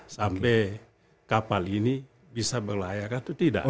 sampai kapal ini bisa berlayar atau tidak